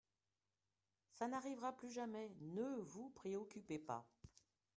Ça n'arrivera plus jamais. Ne vous préoccupez pas.